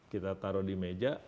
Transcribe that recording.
kita taruh di meja